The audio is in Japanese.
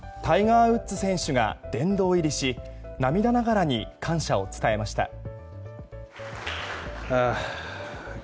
タイガー・ウッズ選手が殿堂入りし涙ながらに感謝を伝えました。